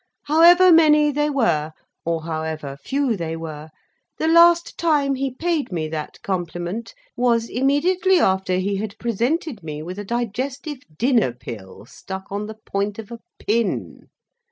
However many they were, or however few they were, the last time he paid me that compliment was immediately after he had presented me with a digestive dinner pill stuck on the point of a pin.